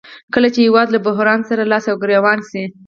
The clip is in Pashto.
کله چې هېواد له بحران سره لاس او ګریوان شي